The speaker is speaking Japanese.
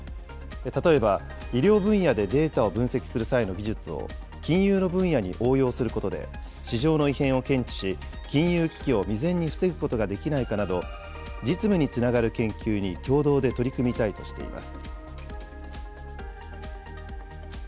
例えば医療分野でデータを分析する際の技術を、金融の分野に応用することで、市場の異変を検知し、金融危機を未然に防ぐことができないかなど、実務につながる研究に共同で取り組みたいとしています。